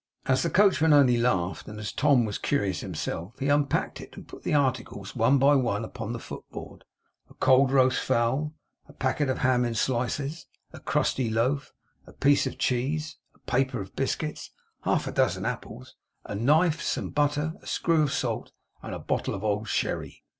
As the coachman only laughed, and as Tom was curious himself, he unpacked it, and put the articles, one by one, upon the footboard. A cold roast fowl, a packet of ham in slices, a crusty loaf, a piece of cheese, a paper of biscuits, half a dozen apples, a knife, some butter, a screw of salt, and a bottle of old sherry.